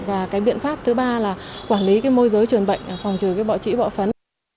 và cái biện pháp thứ ba là quản lý cái môi giới truyền bệnh phòng trừ cái bọ trĩ bọ phấn